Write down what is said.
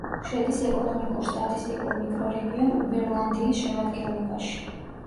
შედის ეკონომიკურ-სტატისტიკურ მიკრორეგიონ უბერლანდიის შემადგენლობაში.